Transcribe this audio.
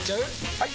・はい！